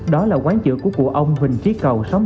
đó là quán chữ của cụ ông huỳnh trí cầu